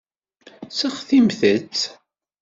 Seɣtimt-tt.